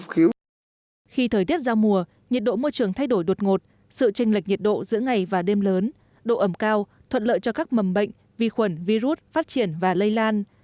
khi thời tiết ra mùa nhiệt độ môi trường thay đổi đột ngột sự tranh lệch nhiệt độ giữa ngày và đêm lớn độ ẩm cao thuận lợi cho các mầm bệnh vi khuẩn virus phát triển và lây lan